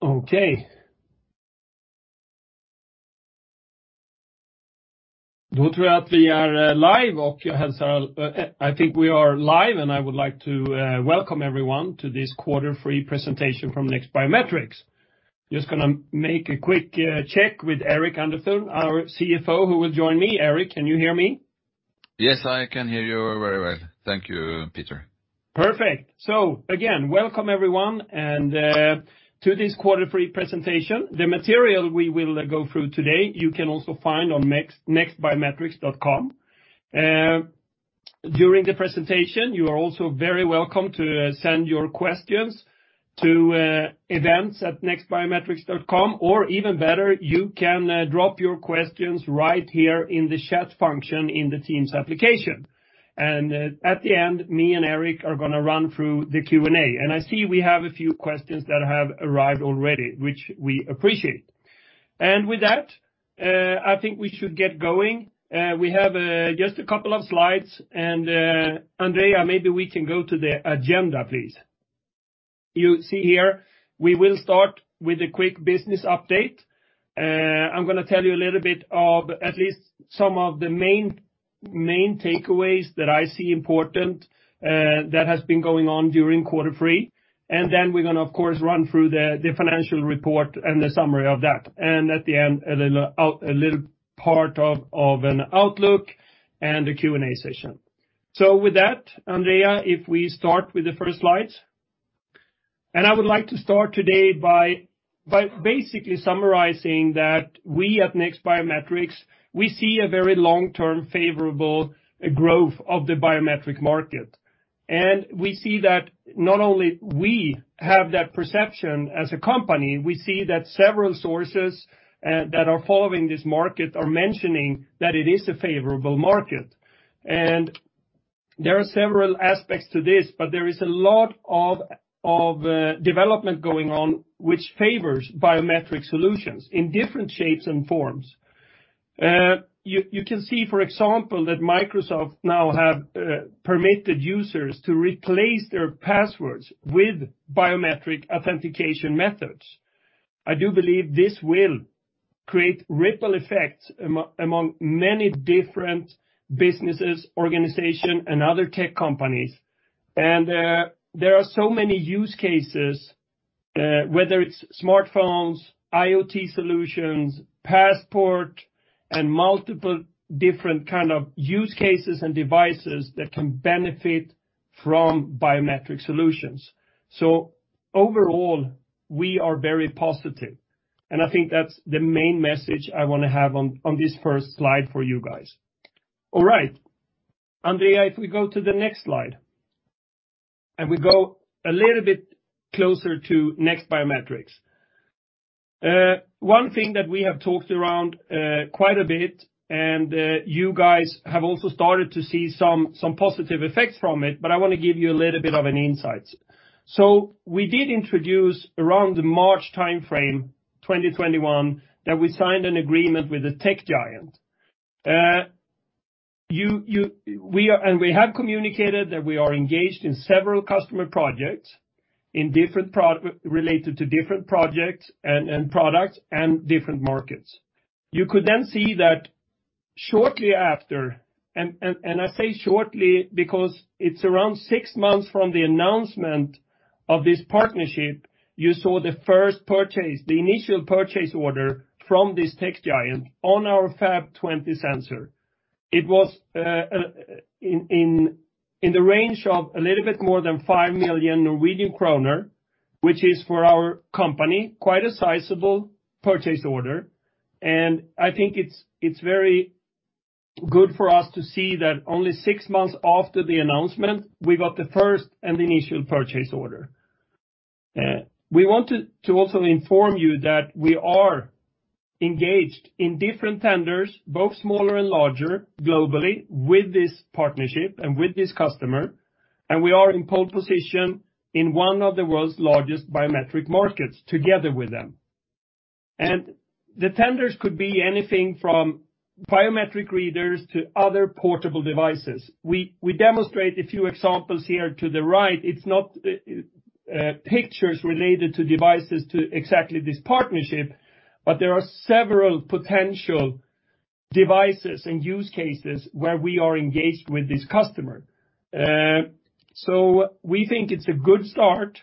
Okay. [Both are live ]. I think we are live, and I would like to welcome everyone to this quarter three presentation from NEXT Biometrics. Just gonna make a quick check with Eirik Underthun, our CFO, who will join me. Eirik, can you hear me? Yes, I can hear you very well. Thank you, Peter. Perfect. Again, welcome, everyone, and to this quarter three presentation. The material we will go through today, you can also find on nextbiometrics.com. During the presentation, you are also very welcome to send your questions to events@nextbiometrics.com, or even better, you can drop your questions right here in the chat function in the Teams application. At the end, me and Eirik are gonna run through the Q&A. I see we have a few questions that have arrived already, which we appreciate. With that, I think we should get going. We have just a couple of slides. Andrea, maybe we can go to the agenda, please. You see here, we will start with a quick business update. I'm gonna tell you a little bit of at least some of the main takeaways that I see important, that has been going on during quarter three. Then we're gonna, of course, run through the financial report and the summary of that. At the end, a little part of an outlook and a Q&A session. With that, Andrea, if we start with the first slide. I would like to start today by basically summarizing that we at NEXT Biometrics, we see a very long-term favourable growth of the biometric market. We see that not only we have that perception as a company, we see that several sources that are following this market are mentioning that it is a favourable market. There are several aspects to this, but there is a lot of development going on which favours biometric solutions in different shapes and forms. You can see, for example, that Microsoft now have permitted users to replace their passwords with biometric authentication methods. I do believe this will create ripple effects among many different businesses, organization, and other tech companies. There are so many use cases, whether it's smartphones, IoT solutions, passport, and multiple different kind of use cases and devices that can benefit from biometric solutions. Overall, we are very positive. I think that's the main message I wanna have on this first slide for you guys. All right. Andrea, if we go to the next slide, and we go a little bit closer to NEXT Biometrics. One thing that we have talked around quite a bit, and you guys have also started to see some positive effects from it, but I wanna give you a little bit of an insight. We did introduce around the March timeframe, 2021, that we signed an agreement with a tech giant. We have communicated that we are engaged in several customer projects related to different projects and products and different markets. You could then see that shortly after, and I say shortly because it's around six months from the announcement of this partnership, you saw the first purchase, the initial purchase order from this tech giant on our FAP 20 sensor. It was in the range of a little bit more than 5 million Norwegian kroner, which is for our company, quite a sizable purchase order. I think it's very good for us to see that only six months after the announcement, we got the first and the initial purchase order. We want to also inform you that we are engaged in different tenders, both smaller and larger globally, with this partnership and with this customer, and we are in pole position in one of the world's largest biometric markets together with them. The tenders could be anything from biometric readers to other portable devices. We demonstrate a few examples here to the right. It's not pictures related to devices to exactly this partnership, but there are several potential devices and use cases where we are engaged with this customer. We think it's a good start.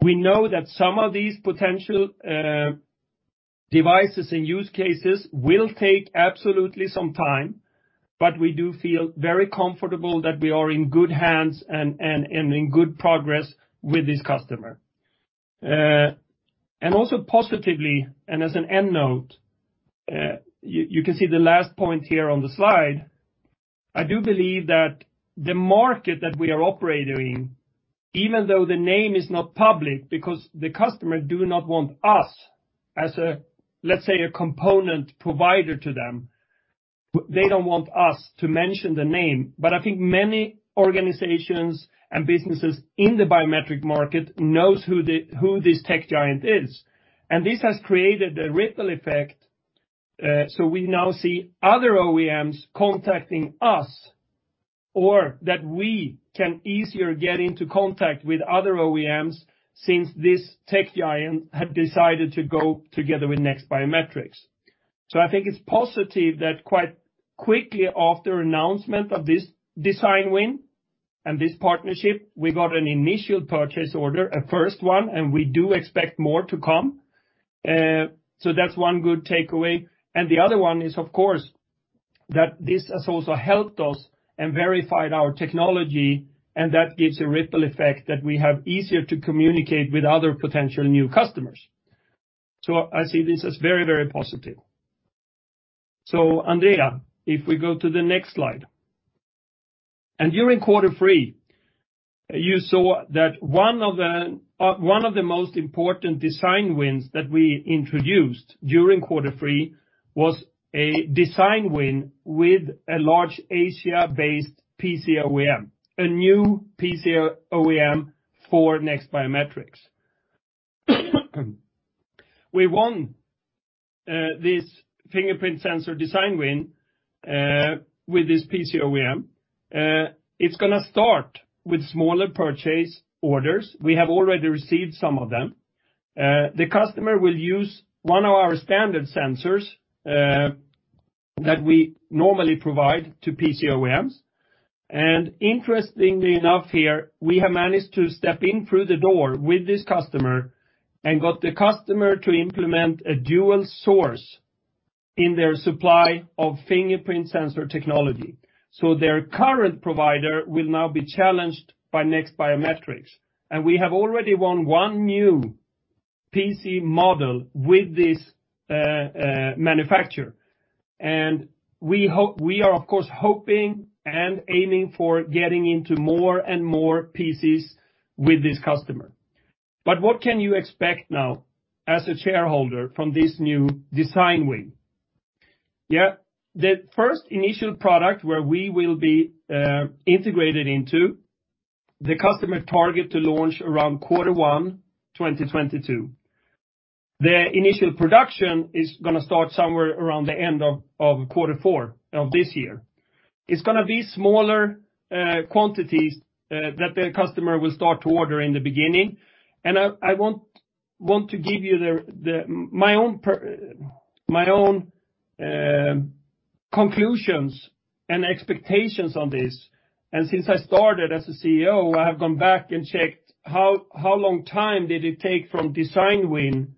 We know that some of these potential devices and use cases will take absolutely some time, but we do feel very comfortable that we are in good hands and in good progress with this customer. Also positively, as an end note, you can see the last point here on the slide. I do believe that the market that we are operating, even though the name is not public because the customer do not want us as a, let's say, a component provider to them, they don't want us to mention the name. I think many organizations and businesses in the biometric market knows who this tech giant is. This has created a ripple effect, so we now see other OEMs contacting us or that we can easier get into contact with other OEMs since this tech giant have decided to go together with NEXT Biometrics. I think it's positive that quite quickly after announcement of this design win and this partnership, we got an initial purchase order, a first one, and we do expect more to come. That's one good takeaway. The other one is, of course, that this has also helped us and verified our technology, and that gives a ripple effect that we have easier to communicate with other potential new customers. I see this as very, very positive. Andrea, if we go to the next slide. During quarter three, you saw that one of the most important design wins that we introduced during quarter three was a design win with a large Asia-based PC OEM, a new PC OEM for NEXT Biometrics. We won this fingerprint sensor design win with this PC OEM. It's gonna start with smaller purchase orders. We have already received some of them. The customer will use one of our standard sensors that we normally provide to PC OEMs. Interestingly enough here, we have managed to step in through the door with this customer and got the customer to implement a dual source in their supply of fingerprint sensor technology. Their current provider will now be challenged by NEXT Biometrics. We have already won one new PC model with this manufacturer. We are, of course, hoping and aiming for getting into more and more PCs with this customer. What can you expect now as a shareholder from this new design win? Yeah. The first initial product where we will be integrated into the customer target to launch around Q1 2022. Their initial production is gonna start somewhere around the end of quarter four of this year. It's gonna be smaller quantities that the customer will start to order in the beginning. I want to give you my own conclusions and expectations on this. Since I started as a CEO, I have gone back and checked how long time did it take from design win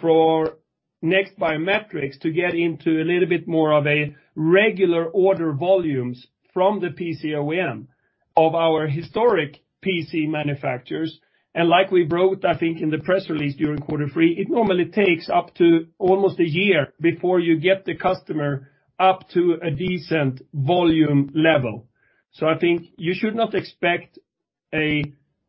for NEXT Biometrics to get into a little bit more of a regular order volumes from the PC OEM of our historic PC manufacturers. Like we wrote, I think, in the press release during quarter three, it normally takes up to almost a year before you get the customer up to a decent volume level. I think you should not expect a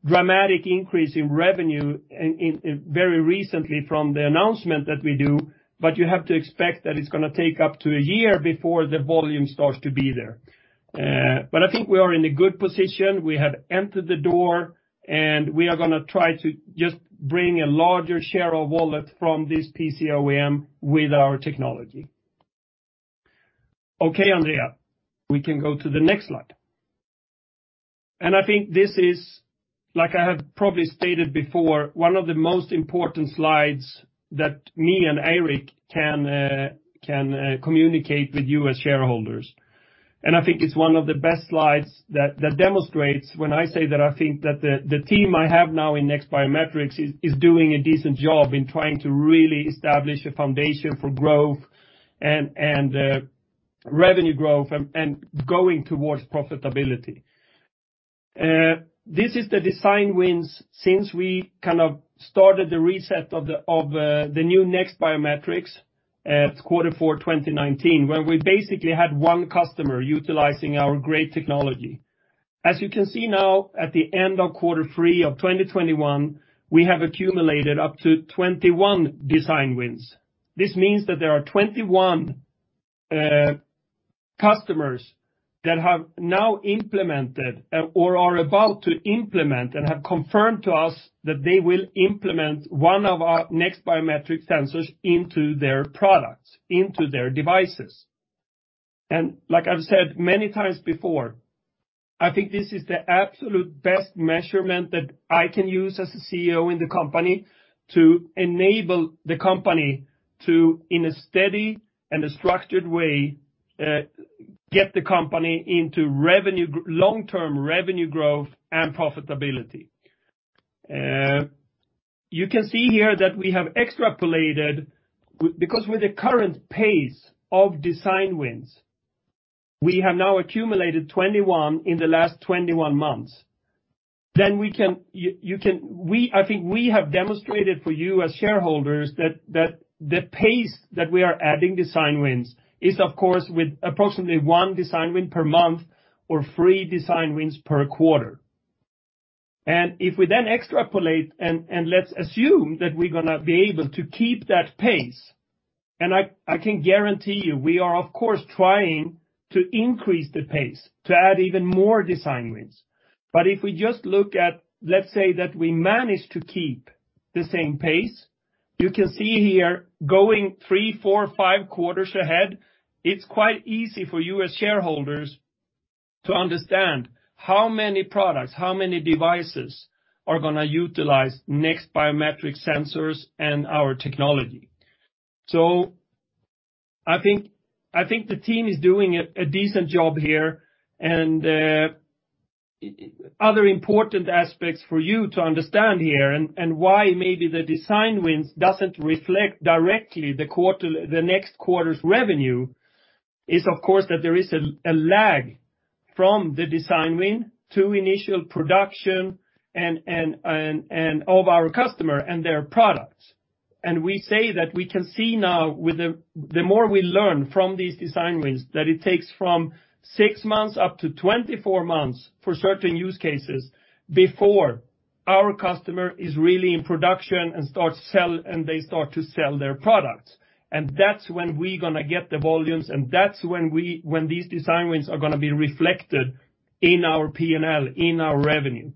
dramatic increase in revenue in very recently from the announcement that we do, but you have to expect that it's gonna take up to a year before the volume starts to be there. I think we are in a good position. We have entered the door, and we are gonna try to just bring a larger share of wallet from this PC OEM with our technology. Okay, Andrea, we can go to the next slide. I think this is, like I have probably stated before, one of the most important slides that me and Eirik can communicate with you as shareholders. I think it's one of the best slides that demonstrates when I say that I think that the team I have now in NEXT Biometrics is doing a decent job in trying to really establish a foundation for growth and revenue growth and going towards profitability. This is the design wins since we kind of started the reset of the new NEXT Biometrics at quarter four, 2019, where we basically had one customer utilizing our great technology. As you can see now at the end of quarter three of 2021, we have accumulated up to 21 design wins. This means that there are 21 customers that have now implemented or are about to implement and have confirmed to us that they will implement one of our NEXT Biometrics sensors into their products, into their devices. Like I've said many times before, I think this is the absolute best measurement that I can use as a CEO in the company to enable the company to, in a steady and a structured way, get the company into revenue, long-term revenue growth and profitability. You can see here that we have extrapolated because with the current pace of design wins, we have now accumulated 21 in the last 21 months. I think we have demonstrated for you as shareholders that the pace that we are adding design wins is of course with approximately one design win per month or three design wins per quarter. If we then extrapolate and let's assume that we're gonna be able to keep that pace, and I can guarantee you we are of course trying to increase the pace to add even more design wins. If we just look at, let's say that we manage to keep the same pace. You can see here going three, four, five quarters ahead, it's quite easy for you as shareholders to understand how many products, how many devices are gonna utilize NEXT Biometrics sensors and our technology. I think the team is doing a decent job here. Other important aspects for you to understand here and why maybe the design wins doesn't reflect directly the quarter, the next quarter's revenue is of course that there is a lag from the design win to initial production and of our customer and their products. We say that we can see now with the more we learn from these design wins, that it takes from six months up to 24 months for certain use cases before our customer is really in production and starts to sell their products. That's when we're gonna get the volumes, and that's when these design wins are gonna be reflected in our P&L, in our revenue.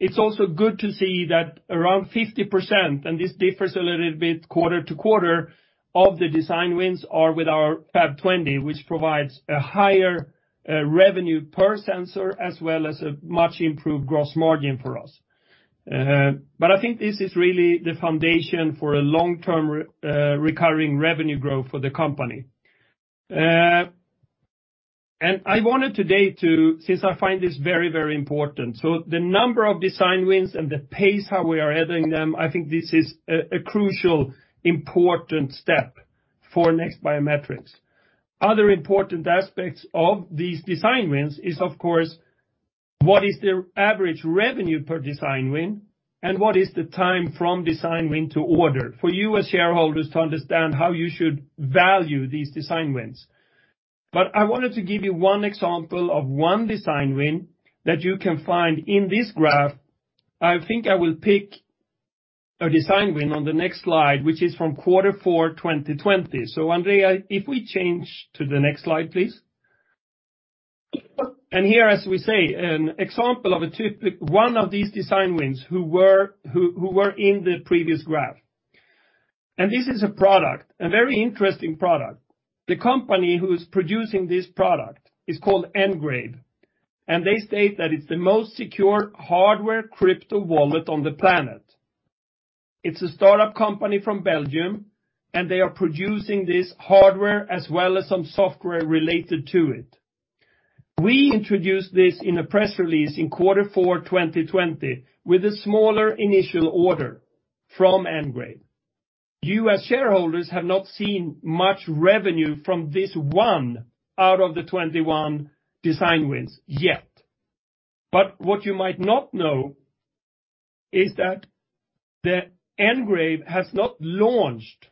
It's also good to see that around 50%, and this differs a little bit quarter-to-quarter, of the design wins are with our FAP 20, which provides a higher revenue per sensor as well as a much improved gross margin for us. I think this is really the foundation for a long-term recurring revenue growth for the company. I wanted today to since I find this very, very important. The number of design wins and the pace how we are adding them, I think this is a crucial, important step for NEXT Biometrics. Other important aspects of these design wins is of course, what is their average revenue per design win, and what is the time from design win to order for you as shareholders to understand how you should value these design wins. I wanted to give you one example of one design win that you can find in this graph. I think I will pick a design win on the next slide, which is from quarter four, 2020. Andrea, if we change to the next slide, please. Here, as we say, an example of one of these design wins who were in the previous graph. This is a product, a very interesting product. The company who is producing this product is called NGRAVE ZERO, and they state that it's the most secure hardware crypto wallet on the planet. It's a startup company from Belgium, and they are producing this hardware as well as some software related to it. We introduced this in a press release in quarter four, 2020 with a smaller initial order from NGRAVE ZERO. You as shareholders have not seen much revenue from this one out of the 21 design wins yet. What you might not know is that the NGRAVE ZERO has not launched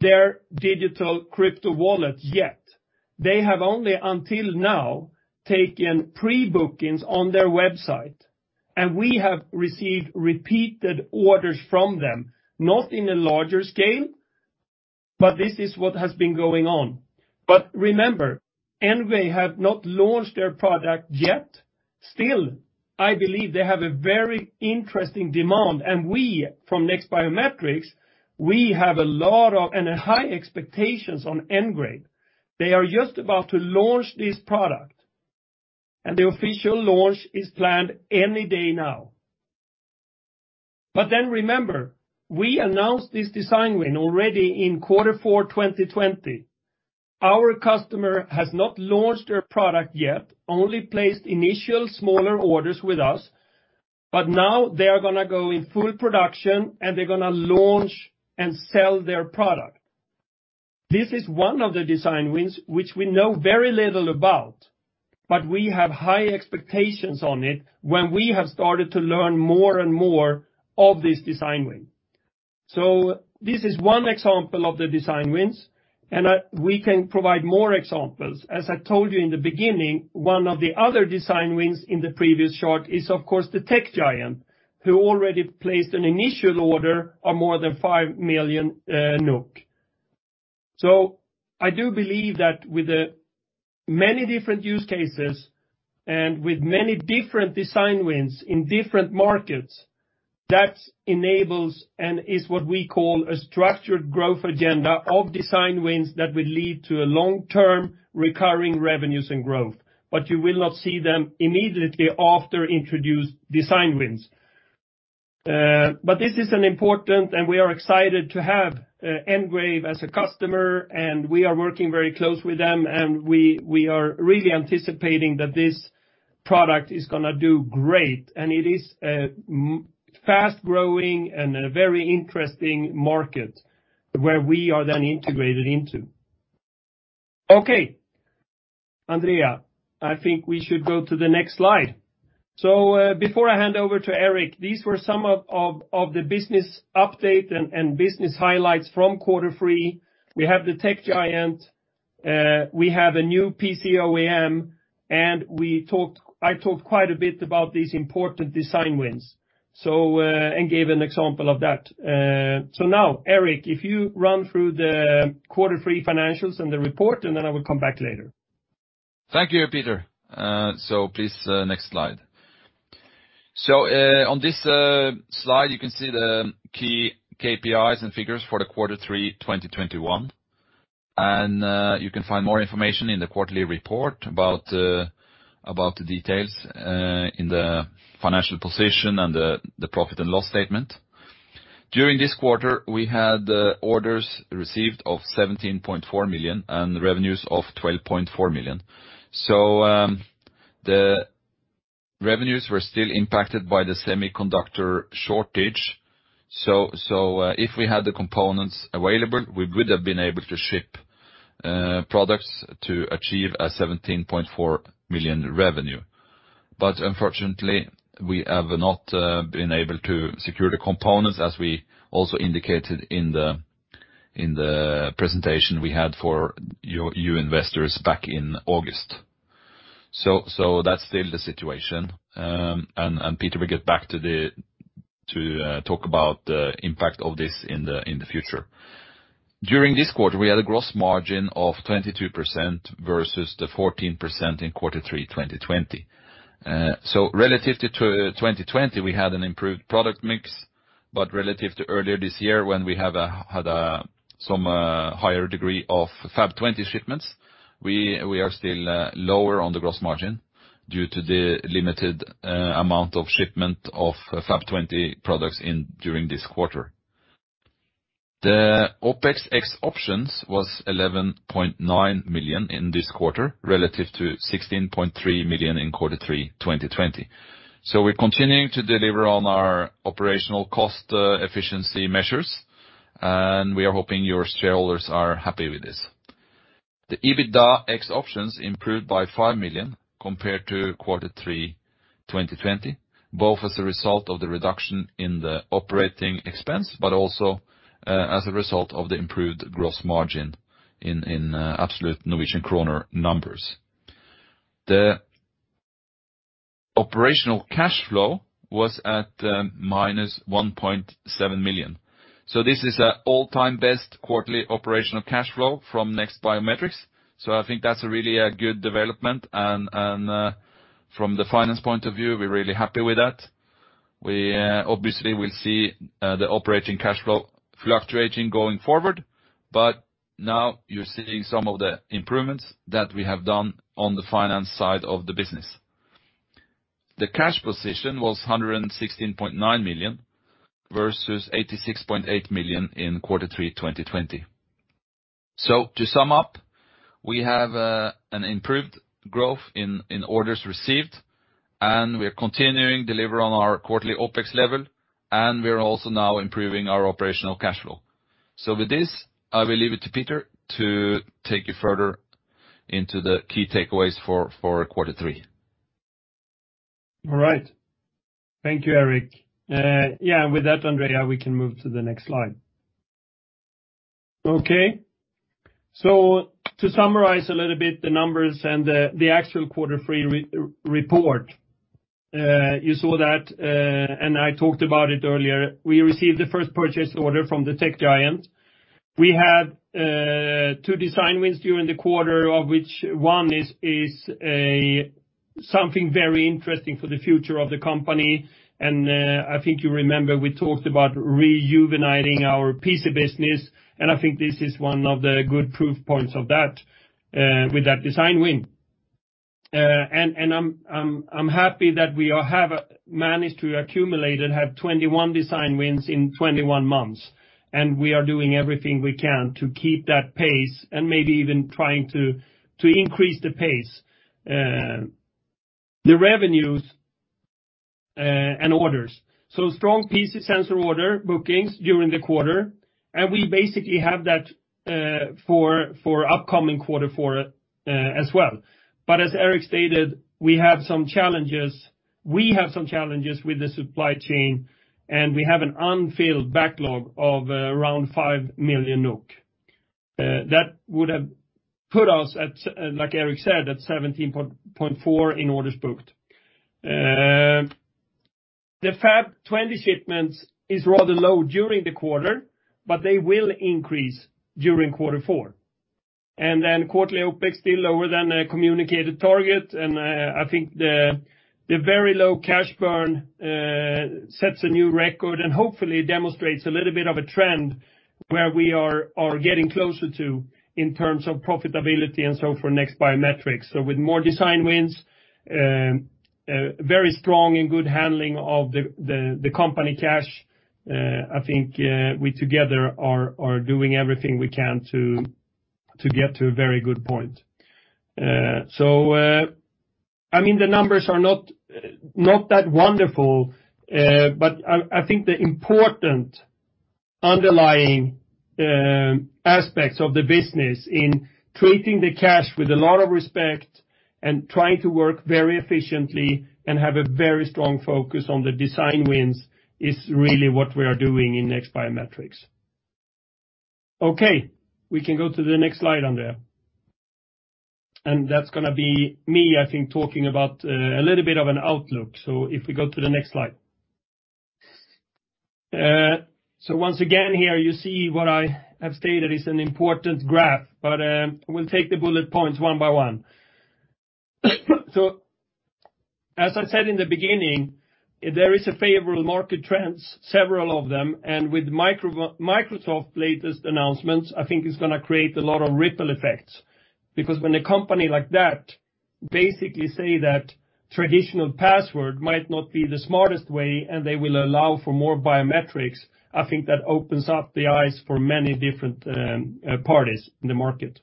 their digital crypto wallet yet. They have only until now taken pre-bookings on their website, and we have received repeated orders from them, not in a larger scale, but this is what has been going on. Remember, NGRAVE ZERO has not launched their product yet. Still, I believe they have a very interesting demand, and we, from NEXT Biometrics, we have a lot of and high expectations on NGRAVE ZERO. They are just about to launch this product, and the official launch is planned any day now. Then remember, we announced this design win already in quarter four, 2020. Our customer has not launched their product yet, only placed initial smaller orders with us. Now they are gonna go in full production, and they're gonna launch and sell their product. This is one of the design wins which we know very little about, but we have high expectations on it when we have started to learn more and more of this design win. This is one example of the design wins, and we can provide more examples. As I told you in the beginning, one of the other design wins in the previous chart is of course the tech giant who already placed an initial order of more than 5 million units. I do believe that with the many different use cases and with many different design wins in different markets, that enables and is what we call a structured growth agenda of design wins that will lead to a long-term recurring revenues and growth. You will not see them immediately after introduced design wins. This is an important, and we are excited to have NGRAVE ZERO as a customer, and we are working very close with them, and we are really anticipating that this product is gonna do great. It is a fast-growing and a very interesting market where we are then integrated into. Okay, Andrea, I think we should go to the next slide. Before I hand over to Eirik, these were some of the business update and business highlights from quarter three. We have the tech giant, we have a new PC OEM, and I talked quite a bit about these important design wins, and gave an example of that. Now, Eirik, if you run through the quarter three financials and the report, and then I will come back later. Thank you, Peter. Please, next slide. On this slide, you can see the key KPIs and figures for quarter three, 2021, and you can find more information in the quarterly report about the details in the financial position and the profit and loss statement. During this quarter, we had orders received of 17.4 million and revenues of 12.4 million. The revenues were still impacted by the semiconductor shortage. If we had the components available, we would have been able to ship products to achieve 17.4 million revenue. Unfortunately, we have not been able to secure the components as we also indicated in the presentation we had for you investors back in August. That's still the situation. Peter will get back to talk about the impact of this in the future. During this quarter, we had a gross margin of 22% versus the 14% in Q3 2020. Relative to 2020, we had an improved product mix, but relative to earlier this year, when we had a some higher degree of FAP 20 shipments, we are still lower on the gross margin due to the limited amount of shipment of FAP 20 products during this quarter. The OpEx ex options was 11.9 million in this quarter, relative to 16.3 million in Q3 2020. We're continuing to deliver on our operational cost efficiency measures, and we are hoping your shareholders are happy with this. The EBITDA ex options improved by 5 million compared to quarter three, 2020, both as a result of the reduction in the operating expense, but also as a result of the improved gross margin in absolute Norwegian kroner numbers. The operational cash flow was at -1.7 million. This is an all-time best quarterly operational cash flow from NEXT Biometrics. I think that's really a good development. From the finance point of view, we're really happy with that. We obviously will see the operating cash flow fluctuating going forward, but now you're seeing some of the improvements that we have done on the finance side of the business. The cash position was 116.9 million, versus 86.8 million in quarter three, 2020. To sum up, we have an improved growth in orders received, and we're continuing to deliver on our quarterly OpEx level, and we're also now improving our operational cash flow. With this, I will leave it to Peter to take you further into the key takeaways for quarter three. All right. Thank you, Eirik. With that, Andrea, we can move to the next slide. Okay. To summarize a little bit the numbers and the actual Q3 report, you saw that, and I talked about it earlier. We received the first purchase order from the tech giant. We had two design wins during the quarter, of which one is something very interesting for the future of the company. I think you remember we talked about rejuvenating our PC business, and I think this is one of the good proof points of that, with that design win. I'm happy that we all have managed to accumulate and have 21 design wins in 21 months, and we are doing everything we can to keep that pace and maybe even trying to increase the pace. The revenues and orders. Strong PC sensor order bookings during the quarter, and we basically have that for upcoming quarter four as well. As Eirik stated, we have some challenges with the supply chain, and we have an unfilled backlog of around 5 million NOK. That would have put us at, like Eirik said, 17.4 million NOK in orders booked. The FAP 20 shipments is rather low during the quarter, but they will increase during quarter four. Quarterly OpEx still lower than the communicated target. I think the very low cash burn sets a new record and hopefully demonstrates a little bit of a trend where we are getting closer to in terms of profitability and so for NEXT Biometrics. With more design wins, very strong and good handling of the company cash, I think we together are doing everything we can to get to a very good point. I mean, the numbers are not that wonderful, but I think the important underlying aspects of the business in treating the cash with a lot of respect and trying to work very efficiently and have a very strong focus on the design wins is really what we are doing in NEXT Biometrics. Okay, we can go to the next slide, Andrea. That's gonna be me, I think, talking about a little bit of an outlook. If we go to the next slide. Once again here you see what I have stated is an important graph, but we'll take the bullet points one by one. As I said in the beginning, there is a favourable market trends, several of them, and with Microsoft latest announcements, I think it's gonna create a lot of ripple effects. Because when a company like that basically say that traditional password might not be the smartest way, and they will allow for more biometrics, I think that opens up the eyes for many different parties in the market.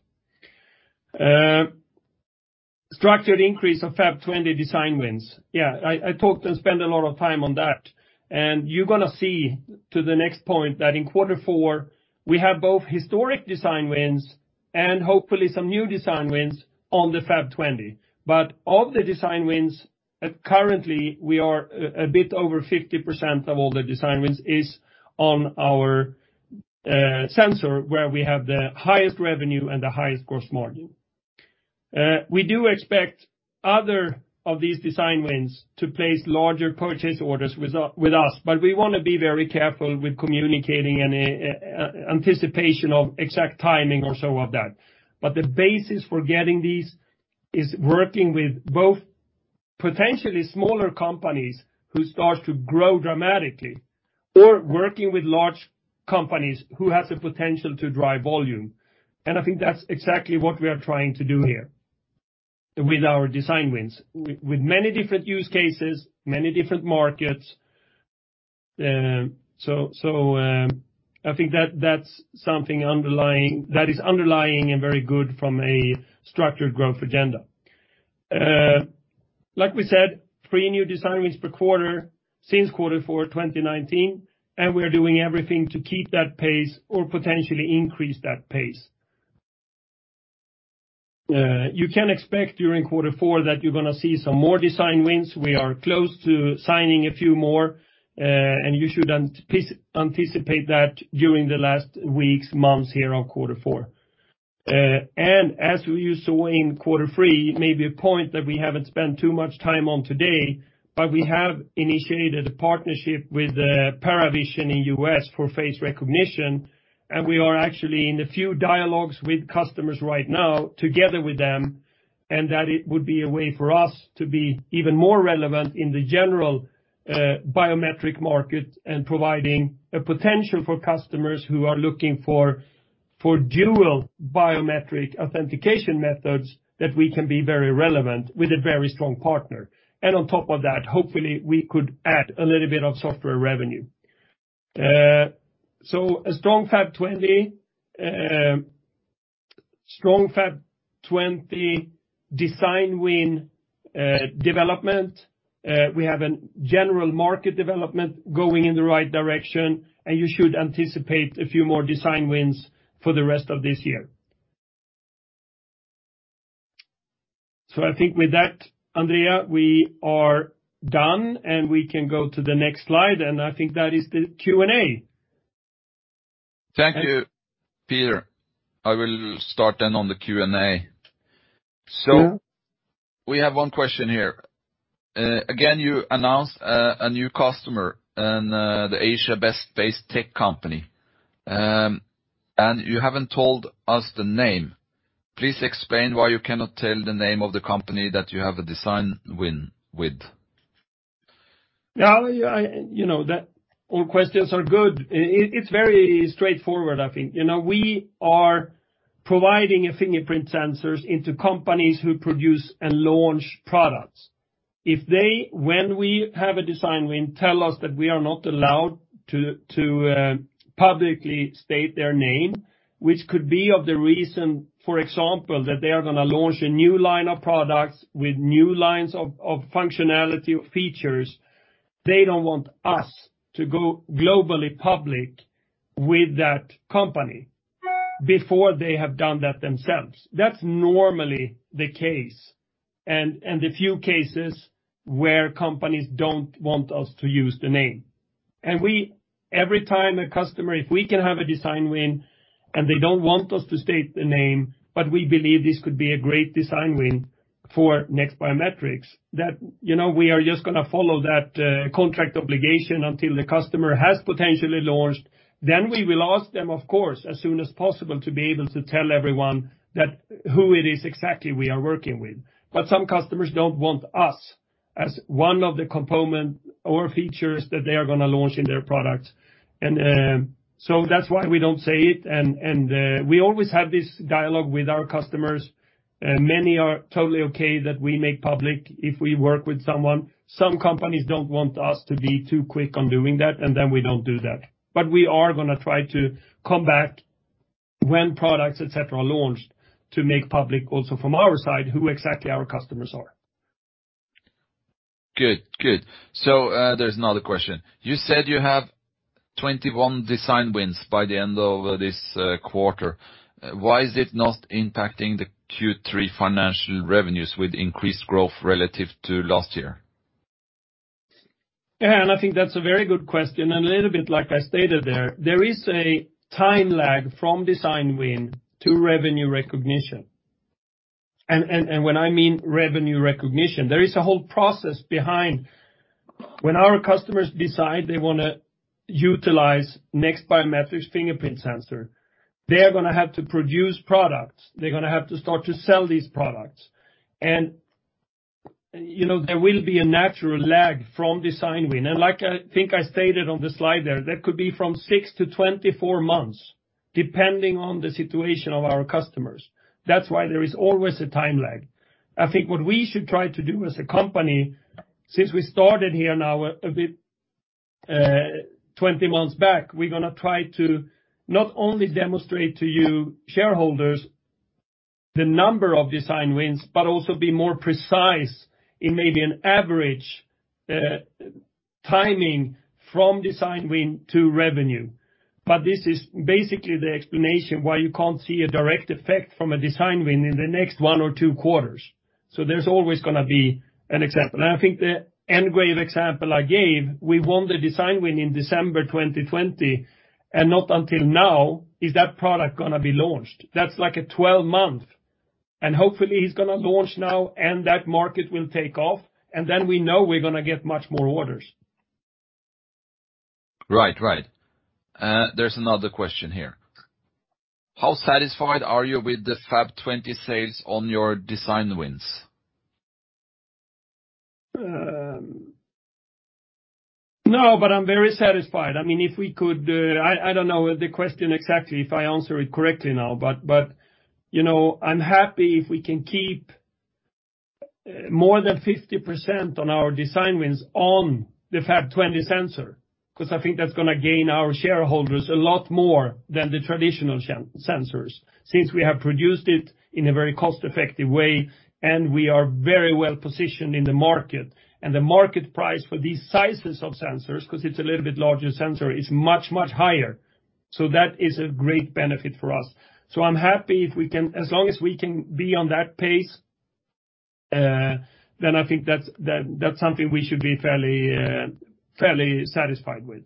Structured increase of FAP 20 design wins. Yeah, I talked and spent a lot of time on that, and you're gonna see to the next point that in quarter four, we have both historic design wins and hopefully some new design wins on the FAP 20. Of the design wins, currently, we are a bit over 50% of all the design wins is on our sensor, where we have the highest revenue and the highest gross margin. We do expect other of these design wins to place larger purchase orders with us, but we wanna be very careful with communicating any anticipation of exact timing or so of that. The basis for getting these is working with both potentially smaller companies who start to grow dramatically or working with large companies who has the potential to drive volume. I think that's exactly what we are trying to do here with our design wins. With many different use cases, many different markets, I think that's something underlying and very good from a structured growth agenda. Like we said, three new design wins per quarter since quarter four 2019, and we're doing everything to keep that pace or potentially increase that pace. You can expect during quarter four that you're gonna see some more design wins. We are close to signing a few more, and you should anticipate that during the last weeks, months here of quarter four. As you saw in quarter three, it may be a point that we haven't spent too much time on today, but we have initiated a partnership with Paravision in U.S. for face recognition, and we are actually in a few dialogues with customers right now together with them, and that it would be a way for us to be even more relevant in the general biometric market and providing a potential for customers who are looking for dual biometric authentication methods that we can be very relevant with a very strong partner. On top of that, hopefully we could add a little bit of software revenue. A strong FAP 20 design win, development. We have a general market development going in the right direction, and you should anticipate a few more design wins for the rest of this year. I think with that, Andrea, we are done, and we can go to the next slide, and I think that is the Q&A. Thank you, Peter. I will start then on the Q&A. Mm-hmm. We have one question here. Again, you announced a new customer in the Asia-based tech company, and you haven't told us the name. Please explain why you cannot tell the name of the company that you have a design win with. Yeah, you know, that all questions are good. It's very straightforward, I think. You know, we are providing a fingerprint sensors into companies who produce and launch products. If they, when we have a design win, tell us that we are not allowed to publicly state their name, which could be the reason, for example, that they are gonna launch a new line of products with new lines of functionality or features, they don't want us to go globally public with that company before they have done that themselves. That's normally the case and the few cases where companies don't want us to use the name. Every time a customer, if we can have a design win and they don't want us to state the name, but we believe this could be a great design win for NEXT Biometrics, that, you know, we are just gonna follow that contract obligation until the customer has potentially launched. Then we will ask them, of course, as soon as possible to be able to tell everyone that who it is exactly we are working with. But some customers don't want us as one of the component or features that they are gonna launch in their product. That's why we don't say it and we always have this dialogue with our customers. Many are totally okay that we make public if we work with someone. Some companies don't want us to be too quick on doing that, and then we don't do that. We are gonna try to come back when products, et cetera, are launched to make public also from our side who exactly our customers are. Good. There's another question. You said you have 21 design wins by the end of this quarter. Why is it not impacting the Q3 financial revenues with increased growth relative to last year? Yeah, I think that's a very good question, and a little bit like I stated there is a time lag from design win to revenue recognition. When I mean revenue recognition, there is a whole process behind. When our customers decide they wanna utilize NEXT Biometrics fingerprint sensor, they are gonna have to produce products, they're gonna have to start to sell these products. You know, there will be a natural lag from design win. Like I think I stated on the slide there, that could be from six-24 months, depending on the situation of our customers. That's why there is always a time lag. I think what we should try to do as a company, since we started here now a bit 20 months back, we're gonna try to not only demonstrate to you shareholders the number of design wins, but also be more precise in maybe an average timing from design win to revenue. This is basically the explanation why you can't see a direct effect from a design win in the next one or two quarters. There's always gonna be an example. I think the NGRAVE ZERO example I gave, we won the design win in December 2020, and not until now is that product gonna be launched. That's like a 12-month. Hopefully it's gonna launch now and that market will take off, and then we know we're gonna get much more orders. Right. There's another question here. How satisfied are you with the FAP 20 sales on your design wins? No, I'm very satisfied. I mean, if we could, I don't know the question exactly, if I answer it correctly now. You know, I'm happy if we can keep more than 50% on our design wins on the FAP 20 sensor, 'cause I think that's gonna gain our shareholders a lot more than the traditional sensors since we have produced it in a very cost-effective way and we are very well-positioned in the market. The market price for these sizes of sensors, 'cause it's a little bit larger sensor, is much, much higher. That is a great benefit for us. I'm happy if we can be on that pace. As long as we can be on that pace, then I think that's something we should be fairly satisfied with.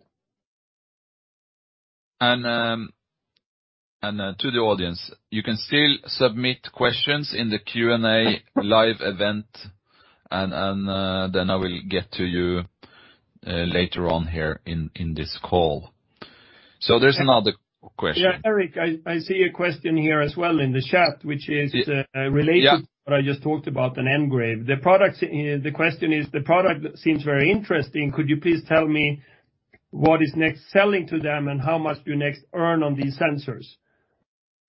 To the audience, you can still submit questions in the Q&A live event, then I will get to you later on here in this call. There's another question. Yeah, Eirik, I see a question here as well in the chat, which is, Yeah. Related to what I just talked about on NGRAVE ZERO. The question is: The product seems very interesting. Could you please tell me what is NEXT selling to them, and how much do NEXT earn on these sensors?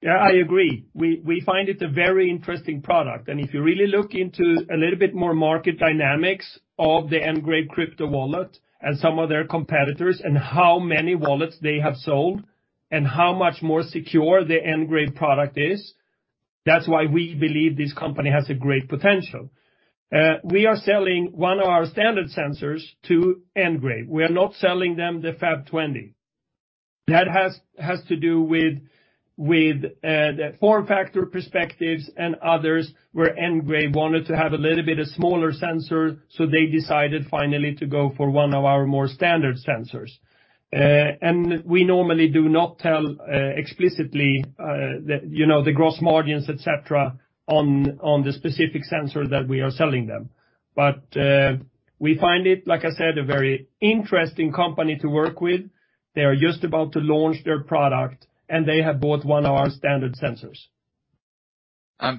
Yeah, I agree. We find it a very interesting product. If you really look into a little bit more market dynamics of the NGRAVE ZERO crypto wallet and some of their competitors and how many wallets they have sold and how much more secure the NGRAVE ZERO product is, that's why we believe this company has a great potential. We are selling one of our standard sensors to NGRAVE ZERO. We are not selling them the FAP 20. That has to do with the form factor perspectives and others, where NGRAVE ZERO wanted to have a little bit smaller sensor, so they decided finally to go for one of our more standard sensors. We normally do not tell explicitly, you know, the gross margins, et cetera, on the specific sensor that we are selling them. We find it, like I said, a very interesting company to work with. They are just about to launch their product, and they have bought one of our standard sensors.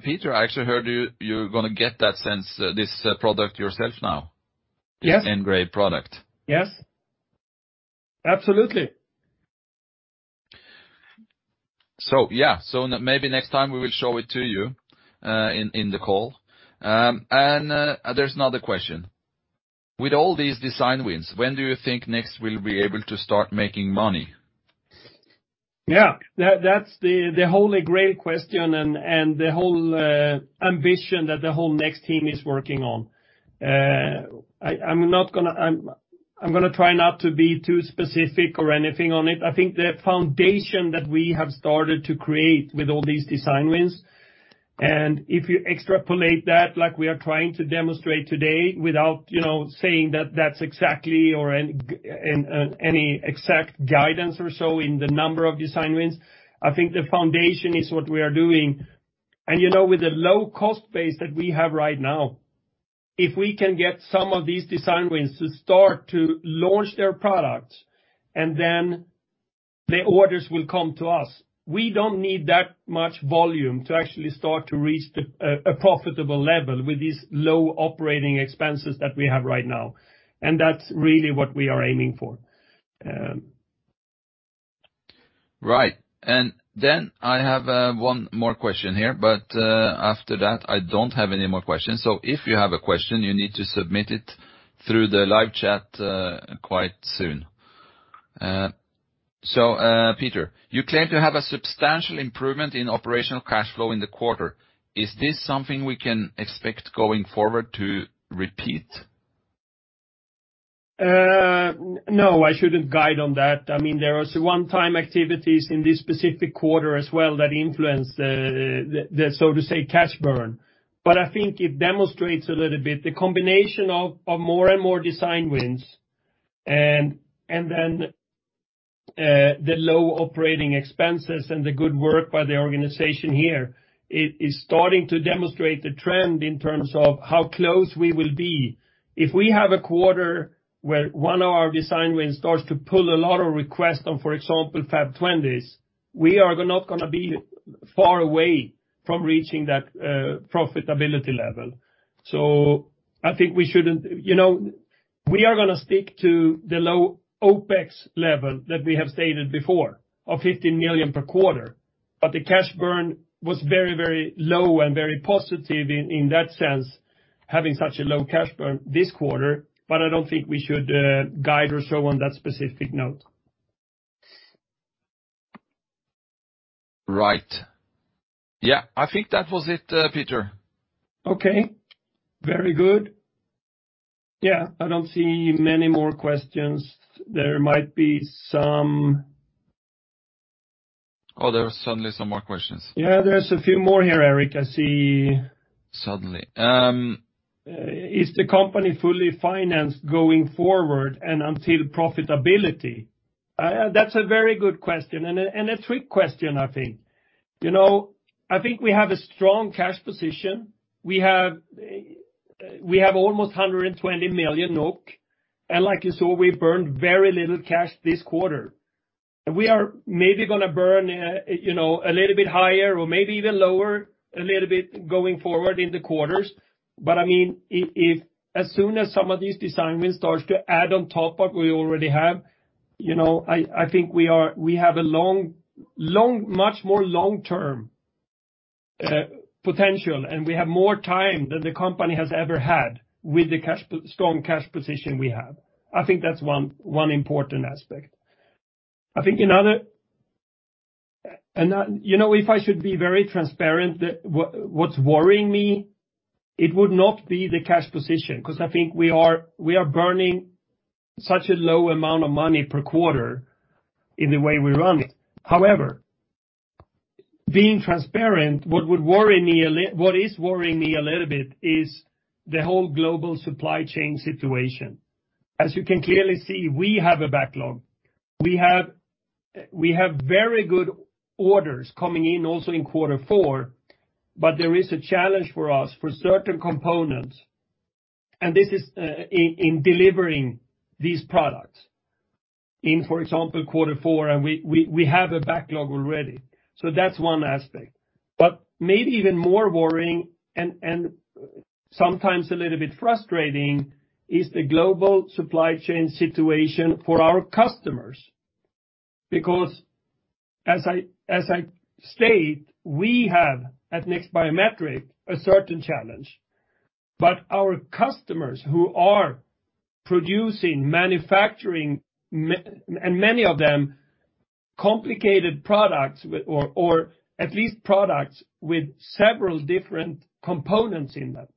Peter, I actually heard you. You're gonna get that sense of this product yourself now. Yes. This NGRAVE ZERO product. Yes. Absolutely. Yeah. Maybe next time we will show it to you in the call. There's another question. With all these design wins, when do you think NEXT will be able to start making money? Yeah. That's the holy grail question and the ambition that the whole NEXT team is working on. I'm gonna try not to be too specific or anything on it. I think the foundation that we have started to create with all these design wins, and if you extrapolate that like we are trying to demonstrate today, without saying that that's exactly or any exact guidance or so in the number of design wins, I think the foundation is what we are doing. You know, with the low cost base that we have right now, if we can get some of these design wins to start to launch their products, and then the orders will come to us, we don't need that much volume to actually start to reach a profitable level with these low operating expenses that we have right now. That's really what we are aiming for. Right. I have one more question here, but after that, I don't have any more questions. If you have a question, you need to submit it through the live chat quite soon. Peter, you claim to have a substantial improvement in operational cash flow in the quarter. Is this something we can expect going forward to repeat? No, I shouldn't guide on that. I mean, there was one-time activities in this specific quarter as well that influenced the so to say, cash burn. I think it demonstrates a little bit the combination of more and more design wins and then the low operating expenses and the good work by the organization here is starting to demonstrate the trend in terms of how close we will be. If we have a quarter where one of our design wins starts to pull a lot of requests on, for example, FAP 20s, we are not gonna be far away from reaching that profitability level. I think we shouldn't. You know, we are gonna stick to the low OpEx level that we have stated before, of 15 million per quarter. The cash burn was very, very low and very positive in that sense, having such a low cash burn this quarter. I don't think we should guide or so on that specific note. Right. Yeah. I think that was it, Peter. Okay. Very good. Yeah. I don't see many more questions. There might be some. Oh, there's suddenly some more questions. Yeah, there's a few more here, Eirik. I see. Suddenly. Is the company fully financed going forward and until profitability? That's a very good question and a trick question, I think. You know, I think we have a strong cash position. We have almost 120 million NOK. Like you saw, we burned very little cash this quarter. We are maybe gonna burn, you know, a little bit higher or maybe even lower a little bit going forward in the quarters. I mean, if as soon as some of these design wins starts to add on top of we already have, you know, I think we are, we have a long, much more long-term potential, and we have more time than the company has ever had with the strong cash position we have. I think that's one important aspect. I think another. You know, if I should be very transparent, what's worrying me, it would not be the cash position, 'cause I think we are burning such a low amount of money per quarter in the way we run it. However, being transparent, what is worrying me a little bit is the whole global supply chain situation. As you can clearly see, we have a backlog. We have very good orders coming in also in quarter four, but there is a challenge for us for certain components, and this is in delivering these products in, for example, quarter four, and we have a backlog already. So that's one aspect. But maybe even more worrying and sometimes a little bit frustrating is the global supply chain situation for our customers. Because as I state, we have at NEXT Biometrics a certain challenge. Our customers who are producing, manufacturing, and many of them complicated products or at least products with several different components in them,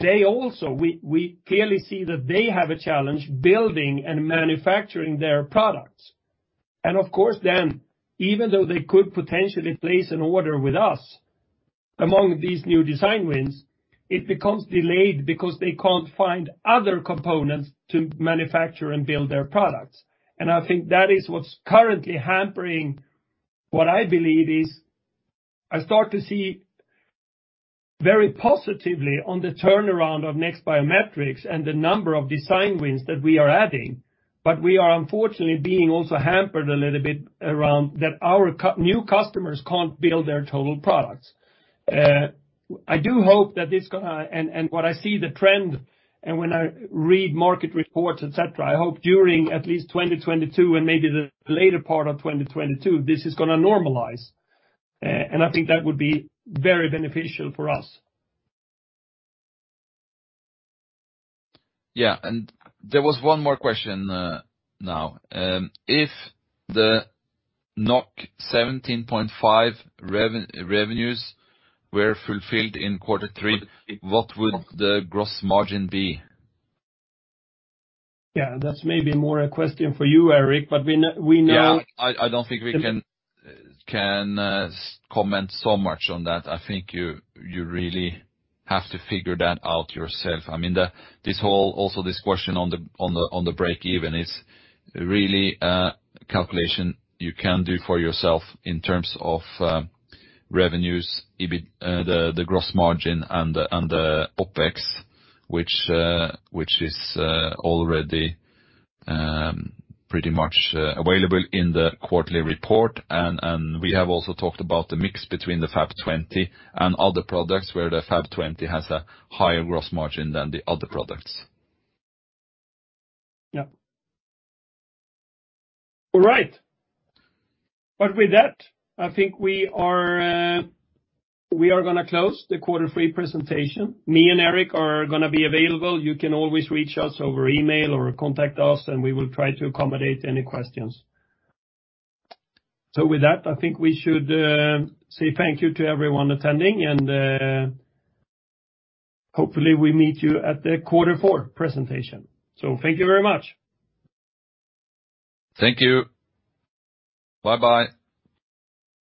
they also, we clearly see that they have a challenge building and manufacturing their products. Of course then, even though they could potentially place an order with us among these new design wins, it becomes delayed because they can't find other components to manufacture and build their products. I think that is what's currently hampering what I believe is I start to see very positively on the turnaround of NEXT Biometrics and the number of design wins that we are adding, but we are unfortunately being also hampered a little bit around that our new customers can't build their total products. What I see the trend and when I read market reports, et cetera, I hope during at least 2022 and maybe the later part of 2022, this is gonna normalize. I think that would be very beneficial for us. There was one more question. If the 17.5 revenues were fulfilled in quarter three, what would the gross margin be? Yeah. That's maybe more a question for you, Eirik, but we know- Yeah. I don't think we can comment so much on that. I think you really have to figure that out yourself. I mean, this whole also this question on the break-even is really a calculation you can do for yourself in terms of revenues, EBITDA, the gross margin and the OpEx, which is already pretty much available in the quarterly report. We have also talked about the mix between the FAP 20 and other products where the FAP 20 has a higher gross margin than the other products. Yeah. All right. With that, I think we are gonna close the quarter three presentation. Me and Eirik are gonna be available. You can always reach us over email or contact us, and we will try to accommodate any questions. With that, I think we should say thank you to everyone attending, and hopefully we meet you at the quarter four presentation. Thank you very much. Thank you. Bye-bye.